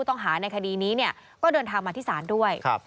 ต้องหาในคดีนี้เนี่ยก็เดินทางมาที่ศาลด้วย